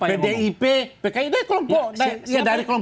pki dari kelompok bapak yesus